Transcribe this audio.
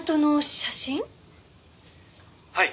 「はい。